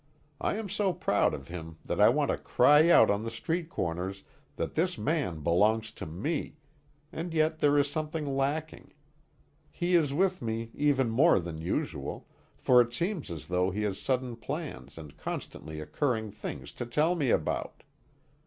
I am so proud of him that I want to cry out on the street corners that this man belongs to me and yet there is something lacking. He is with me even more than usual, for it seems as though he has sudden plans and constantly occurring things to tell me about.